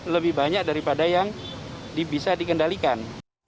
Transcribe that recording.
lebih banyak daripada yang bisa dikendalikan